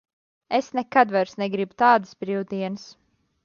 Es nekad vairs negribu tādas brīvdienas.